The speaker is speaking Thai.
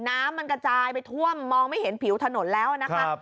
น้ำมันกระจายไปท่วมมองไม่เห็นผิวถนนแล้วนะคะ